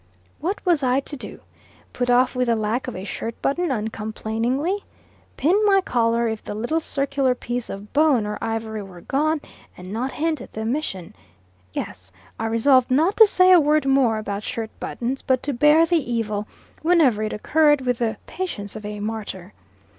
What was I to do? Put off with the lack of a shirt button uncomplainingly? Pin my collar, if the little circular piece of bone or ivory were gone, and not hint at the omission? Yes; I resolved not to say a word more about shirt buttons, but to bear the evil, whenever it occurred, with the patience of a martyr.